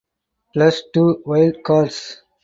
Plus two wild cards.